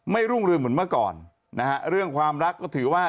รุ่งเรืองเหมือนเมื่อก่อนนะฮะเรื่องความรักก็ถือว่า